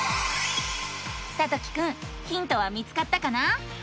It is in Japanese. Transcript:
さときくんヒントは見つかったかな？